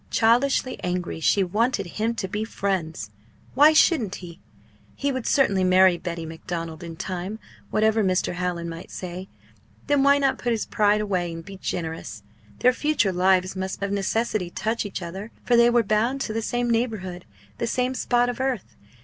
Childishly, angrily she wanted him to be friends! Why shouldn't he? He would certainly marry Betty Macdonald in time, whatever Mr. Hallin might say. Then why not put his pride away and be generous? Their future lives must of necessity touch each other, for they were bound to the same neighbourhood, the same spot of earth.